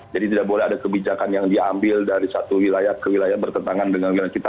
jadi tidak boleh ada kebijakan yang diambil dari satu wilayah ke wilayah bertentangan dengan kita